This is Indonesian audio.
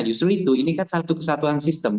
justru itu ini kan satu kesatuan sistem